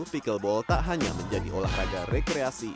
pickleball tak hanya menjadi olahraga rekreasi